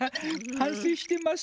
反せいしてます。